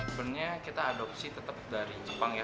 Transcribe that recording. sebenarnya kita adopsi tetap dari jepang ya